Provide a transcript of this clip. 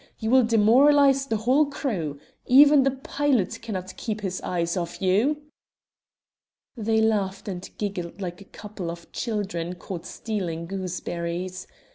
You will demoralize the whole crew. Even the pilot cannot keep his eyes off you." They laughed and giggled like a couple of children caught stealing gooseberries.